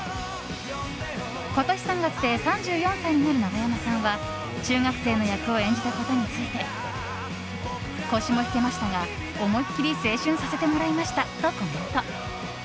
今年３月で３４歳になる永山さんは中学生の役を演じたことについて腰も引けましたが、思いっきり青春させてもらいましたとコメント。